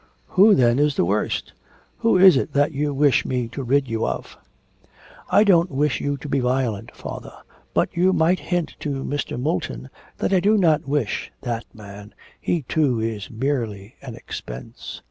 'Who, then, is the worst? Who is it that you wish me to rid you of?' 'I don't wish you to be violent, father, but you might hint to Mr. Moulton that I do not wish ' 'That man he, too, is merely an expense.'